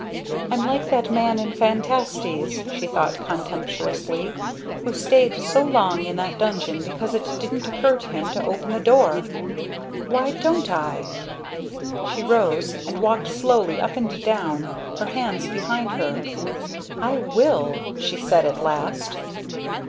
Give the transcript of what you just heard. "I'm like that man in 'Phantastes'," she thought contemptuously, "who stayed so long in that dungeon because it didn't occur to him to open the door! Why don't I ?" she rose and walked slowly up and down, her hands behind her. "I will!" she said at last.